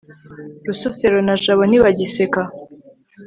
rusufero na jabo ntibagiseka